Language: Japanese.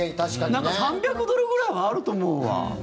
なんか３００ドルぐらいはあると思うわ。